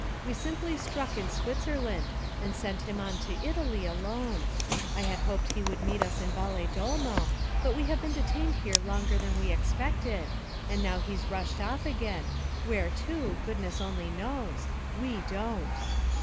We simply struck in Switzerland and sent him on to Italy alone. I had hoped he would meet us in Valedolmo, but we have been detained here longer than we expected, and now he's rushed off again where to, goodness only knows; we don't.